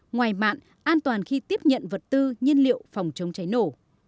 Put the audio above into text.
ngoài mạng an toàn khi tiếp nhận vật tư nhiên liệu phòng chống cháy nổ